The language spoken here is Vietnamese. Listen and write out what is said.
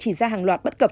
chỉ ra hàng loạt bất cập